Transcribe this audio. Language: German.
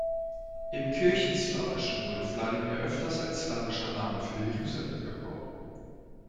Im Kirchenslawischen wurde Wladimir öfters als slawischer Name für Jerusalem gebraucht.